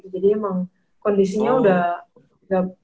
jadi emang kondisinya udah